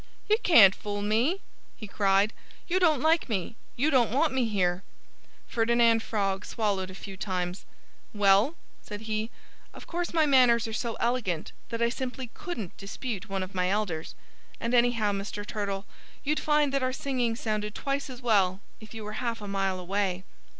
"You can't fool me!" he cried. "You don't like me! You don't want me here!" Ferdinand Frog swallowed a few times. "Well," said he, "of course my manners are so elegant that I simply couldn't dispute one of my elders. And anyhow, Mr. Turtle, you'd find that our singing sounded twice as well if you were half a mile away."